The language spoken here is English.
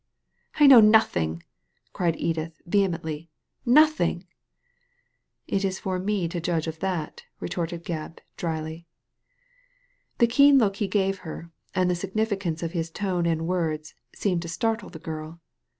*I know nothing!" cried Edith, vehemently, •* nothing I'* •'It is for me to judge of that," retorted Gebb, dryly. The keen look he gave her, and the significance of his tone and words, seemed to startle the girl.